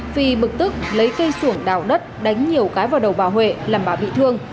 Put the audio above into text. phi bực tức lấy cây xuồng đào đất đánh nhiều cái vào đầu bà huệ làm bà bị thương